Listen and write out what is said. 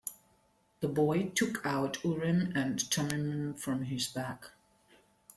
The boy took out Urim and Thummim from his bag.